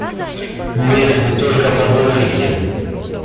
Нет, вы только подумайте!